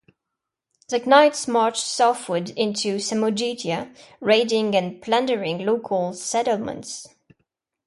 The knights marched southward into Samogitia, raiding and plundering local settlements.